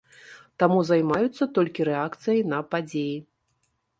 Таму займаюцца толькі рэакцыяй на падзеі.